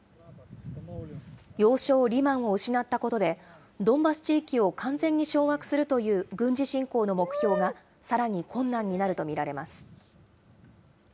要衝リマンを失ったことで、ドンバス地域を完全に掌握するという軍事侵攻の目標がさらに困難になると見られます。